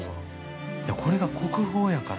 ◆これが国宝やから。